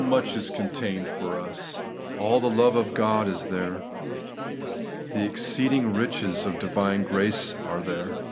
59 the throne, how much is contained for us ! All the love of God is there. The exceeding riches of divine grace are there.